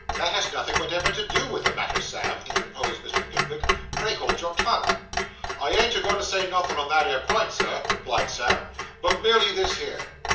'That has nothing whatever to do with the matter, Sam,' interposed Mr. Pickwick. 'Pray hold your tongue.' 'I ain't a goin' to say nothin' on that 'ere pint, sir,' replied Sam, 'but merely this here.